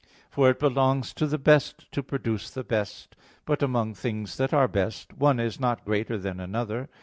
For it belongs to the best to produce the best. But among things that are best, one is not greater than another.